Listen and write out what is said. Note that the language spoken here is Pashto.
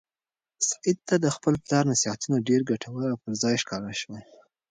سعید ته د خپل پلار نصیحتونه ډېر ګټور او پر ځای ښکاره شول.